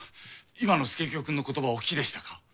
今の佐清くんの言葉をお聞きでしたか。